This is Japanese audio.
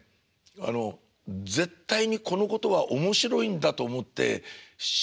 あの絶対にこのことは面白いんだと思って信じてないと。